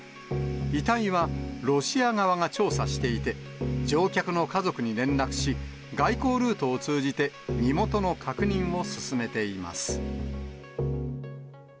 遺体はロシア側が調査していて、乗客の家族に連絡し、外交ルートを通じて身元の確認を進めています。